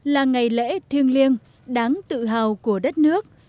là ngày lễ thiêng liêng đáng tự hào của đất nước